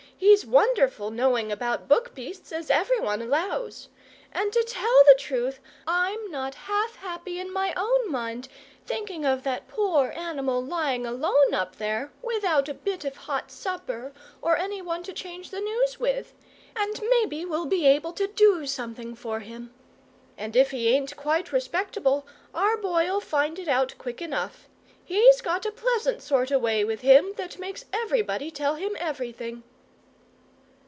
He's wonderful knowing about book beasts, as every one allows. And to tell the truth, I'm not half happy in my own mind, thinking of that poor animal lying alone up there, without a bit o' hot supper or anyone to change the news with; and maybe we'll be able to do something for him; and if he ain't quite respectable our Boy'll find it out quick enough. He's got a pleasant sort o' way with him that makes everybody tell him everything."